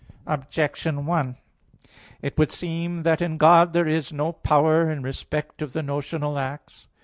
Objection 1: It would seem that in God there is no power in respect of the notional acts.